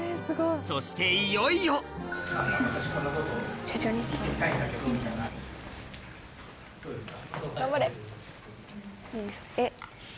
そしていよいよどこですか？